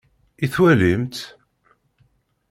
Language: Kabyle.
I twalimt?